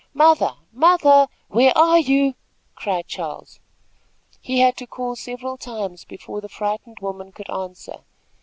"Mother! mother! where are you?" cried Charles. He had to call several times before the frightened woman could answer.